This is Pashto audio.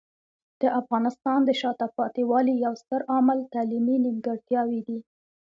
د افغانستان د شاته پاتې والي یو ستر عامل تعلیمي نیمګړتیاوې دي.